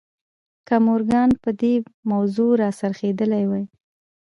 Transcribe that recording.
که مورګان پر دې موضوع را څرخېدلی وای.